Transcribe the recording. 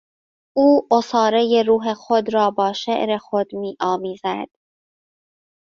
او عصارهی روح خود را با شعر خود میآمیزد.